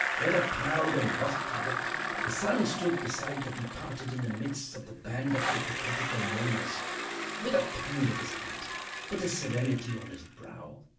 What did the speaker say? With a proud and lofty look the son stood beside the departed in the midst of the band of hypocritical mourners, with a pang at his heart, but a serenity on his brow.